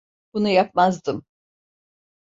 Bunu yapmazdım.